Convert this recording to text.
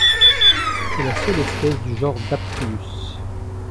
C'est la seule espèce du genre Daptrius.